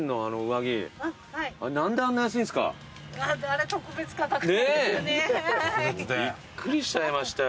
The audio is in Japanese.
びっくりしちゃいましたよ